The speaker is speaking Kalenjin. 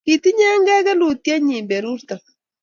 Kitinye ke ke kelutyet nyi berurto